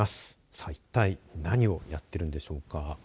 さあ一体何をやっているんでしょうか。